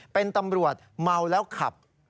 เป็นตำรวจเมาแล้วขับ